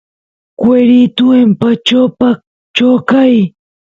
cueritu empachopa choqay